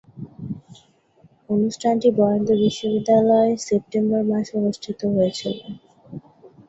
অনুষ্ঠানটি বরেন্দ্র বিশ্ববিদ্যালয়ে সেপ্টেম্বর মাসে অনুষ্ঠিত হয়েছিলো।